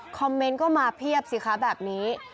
คอมเมนต์ก็มาเพียบสิคะแบบนี้